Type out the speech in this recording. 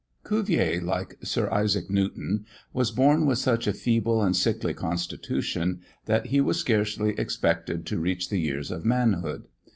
Cuvier, like Sir Isaac Newton, was born with such a feeble and sickly constitution, that he was scarcely expected to reach the years of manhood.